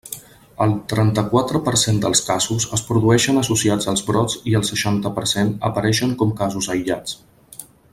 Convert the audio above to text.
El trenta-quatre per cent dels casos es produïxen associats als brots i el seixanta per cent apareixen com a casos aïllats.